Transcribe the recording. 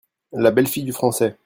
La belle-fille du Français.